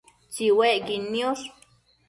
Tsiuecquid niosh